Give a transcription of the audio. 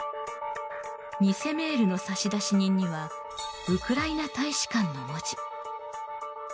偽メールの差出人にはウクライナ大使館の文字。